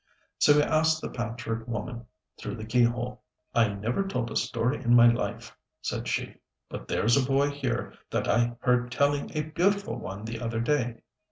So he asked the Patchwork Woman through the keyhole. "I never told a story in my life," said she; "but there's a boy here that I heard telling a beautiful one the other day.